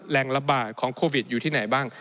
ระบาดของโควิดอยู่ที่ไหนบ้าง